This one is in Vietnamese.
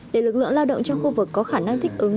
để lực lượng lao động trong khu vực có khả năng thích ứng